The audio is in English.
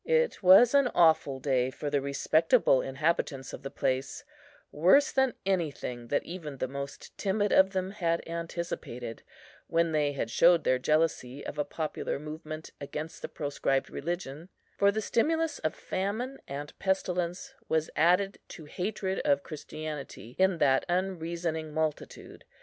It was an awful day for the respectable inhabitants of the place; worse than anything that even the most timid of them had anticipated, when they had showed their jealousy of a popular movement against the proscribed religion; for the stimulus of famine and pestilence was added to hatred of Christianity, in that unreasoning multitude.